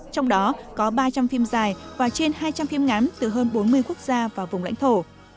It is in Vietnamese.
trong đó có ba trăm linh phim dài và trên hai trăm linh phim ngắn từ hơn bốn mươi quốc gia và vùng lãnh thổ